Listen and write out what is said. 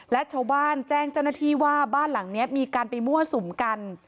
และชาวบ้านแจ้งเจ้าหน้าที่ว่าบ้านหลังนี้มีการไปมั่วสุมกัน